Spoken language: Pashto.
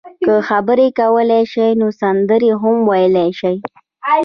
که خبرې کولای شئ نو سندرې هم ویلای شئ.